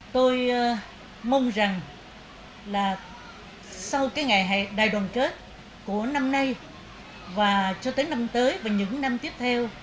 tôi mong rằng là sau cái ngày đại đoàn kết của năm nay và cho tới năm tới và những năm tiếp theo